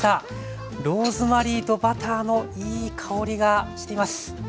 ローズマリーとバターのいい香りがしています。